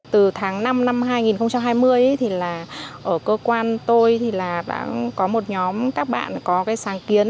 từ tháng năm năm hai nghìn hai mươi ở cơ quan tôi có một nhóm các bạn có sáng kiến